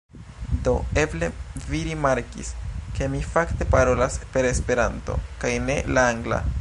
Do eble vi rimarkis, ke mi fakte parolas per Esperanto kaj ne la angla.